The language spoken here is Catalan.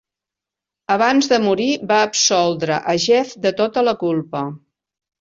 Abans de morir, va absoldre a Jeff de tota la culpa.